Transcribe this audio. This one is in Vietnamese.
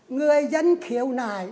người dân thiếu nài